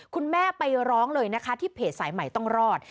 คุณแม่ไปร้องเลยนะคะที่เพจสายใหม่ต้องรอด